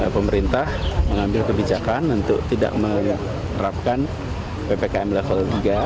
pemerintah mengambil kebijakan untuk tidak menerapkan ppkm level tiga